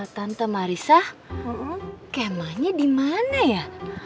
tante marissa kemahnya dimana ya